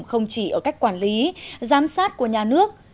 không chỉ ở cách quản lý giám sát của nhà nước